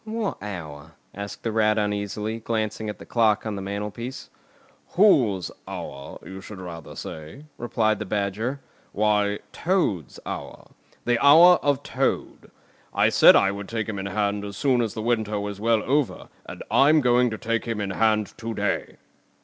"What hour?" asked the Rat uneasily, glancing at the clock on the mantelpiece. "Whose hour, you should rather say," replied the Badger. "Why, Toad's hour! The hour of Toad! I said I would take him in hand as soon as the winter was well over, and I'm going to take him in hand to day!"